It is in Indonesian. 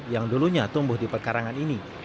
yang dulunya tumbuh di pekarangan ini